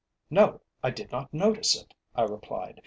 "No, I did not notice it," I replied.